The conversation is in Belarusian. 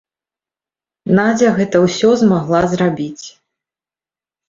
Надзя гэта ўсё змагла зрабіць.